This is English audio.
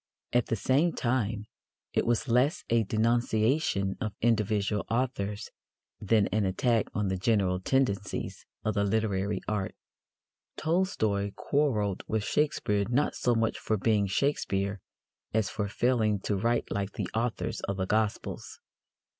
At the same time, it was less a denunciation of individual authors than an attack on the general tendencies of the literary art. Tolstoy quarrelled with Shakespeare not so much for being Shakespeare as for failing to write like the authors of the Gospels.